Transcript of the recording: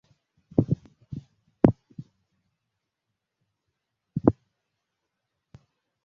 Kwani uchumi wake unatarajiwa kukua kwa kasi kubwa miaka michache inayo kuja